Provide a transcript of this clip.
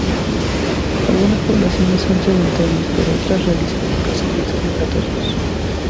Algunas poblaciones son sedentarias, pero otras realizan desplazamientos migratorios.